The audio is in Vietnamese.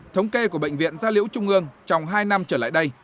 thống kê của bệnh viện gia liễu trung ương trong hai năm trở lại đây